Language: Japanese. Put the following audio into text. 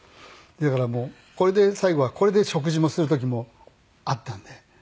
だからこれで最後はこれで食事もする時もあったんで。